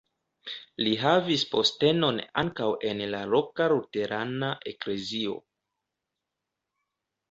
Li havis postenon ankaŭ en la loka luterana eklezio.